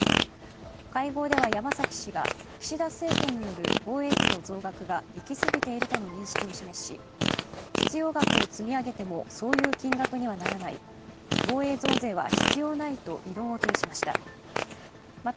会合では山崎氏が岸田政権による防衛費の増額が行き過ぎているとの認識を示し必要額を積み上げてもそういう金額にはならない防衛増税は必要ないと異論を呈しました。